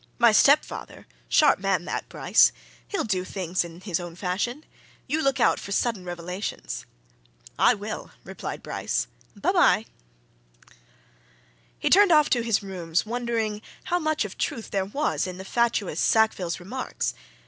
"My stepfather sharp man, that, Bryce! he'll do things in his own fashion. You look out for sudden revelations!" "I will," replied Bryce. "By bye!" He turned off to his rooms, wondering how much of truth there was in the fatuous Sackville's remarks.